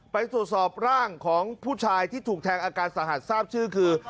ไปตรวจสอบร่างของผู้ชายที่ถูกแทงอาการสาหัสทราบชื่อคือ